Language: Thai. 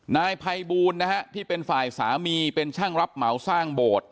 นายภัยบูลนะฮะที่เป็นฝ่ายสามีเป็นช่างรับเหมาสร้างโบสถ์